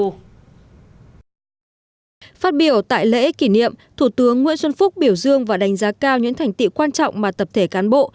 phát biểu tại lễ kỷ niệm thủ tướng nguyễn xuân phúc biểu dương và đánh giá cao những thành tiệu quan trọng mà tập thể cán bộ